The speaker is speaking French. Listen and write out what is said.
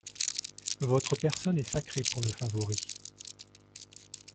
Votre personne est sacrée pour le favori.